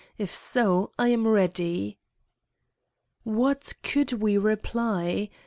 If so, I am ready." What could we reply?